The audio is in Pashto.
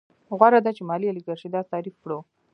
غوره ده چې مالي الیګارشي داسې تعریف کړو